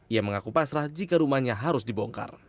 ia mengaku pasrah jika rumahnya harus dibongkar